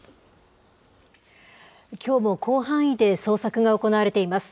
きょうも広範囲で捜索が行われています。